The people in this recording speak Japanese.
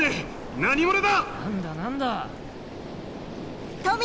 何だ？